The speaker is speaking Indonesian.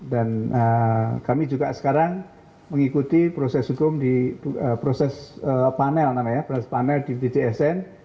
dan kami juga sekarang mengikuti proses hukum di proses panel di bpjsn